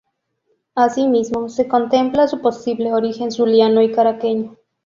Asimismo, se contempla su posible origen zuliano y caraqueño.